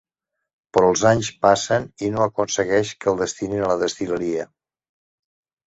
Però els anys passen i no aconsegueix que el destinin a la destil·leria.